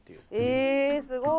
えすごい。